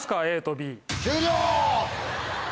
ＡとＢ。